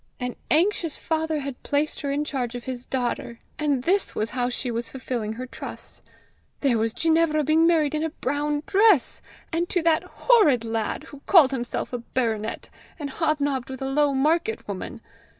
An anxious father had placed her in charge of his daughter, and this was how she was fulfilling her trust! There was Ginevra being married in a brown dress! and to that horrid lad, who called himself a baronet, and hobnobbed with a low market woman!